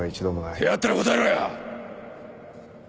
せやったら答えろや！